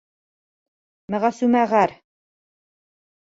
Мәғәсүмә ғәр.